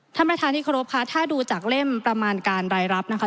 ท่านประธานที่เคารพค่ะถ้าดูจากเล่มประมาณการรายรับนะคะ